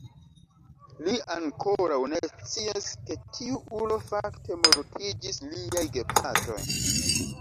Li ankoraŭ ne scias ke tiu ulo fakte mortiĝis liaj gepatroj.